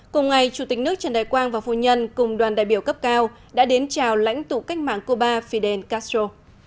cùng ngày chủ tịch nước trần đại quang và phu nhân cùng đoàn đại biểu cấp cao đã đến chào lãnh tụ cách mạng cuba fidel castro